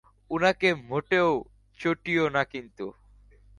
উনাকে মোটেও চটিও না কিন্তু!